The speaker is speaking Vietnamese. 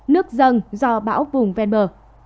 nước dâng do bão vùng ven bờ